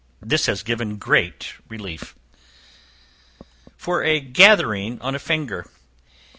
This has given great relief. For a Gathering on a Finger.